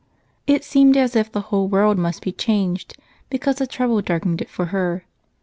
It seemed as if the whole world must be changed because a trouble darkened it for her.